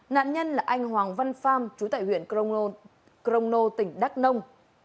nạn nhân là anh hoàng văn pham chú tại huyện crongon crono tỉnh đắk nông